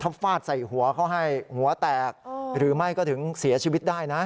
เขาฟาดใส่หัวเขาให้หัวแตกหรือไม่ก็ถึงเสียชีวิตได้นะ